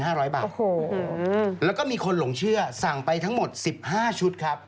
โอ้โฮแล้วก็มีคนหลงเชื่อสั่งไปทั้งหมด๑๕ชุดครับ